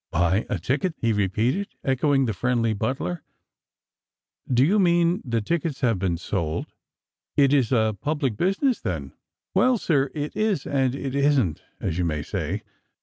" Buy a ticket," he repeated, echoing the friendly butler. " Do you mean that tickets have been sold ? It iB a public business, then?" " Well, sir, it is and it isn't, aa you may say.